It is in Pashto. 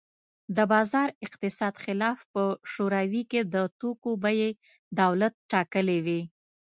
د بازار اقتصاد خلاف په شوروي کې د توکو بیې دولت ټاکلې وې